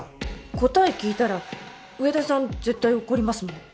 答え聞いたら上田さん絶対怒りますもん。